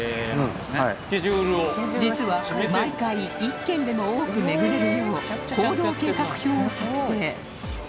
実は毎回１軒でも多くめぐれるよう行動計画表を作成